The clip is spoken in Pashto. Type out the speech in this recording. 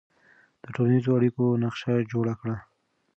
د ټولنیزو اړیکو نقشه جوړه کړه.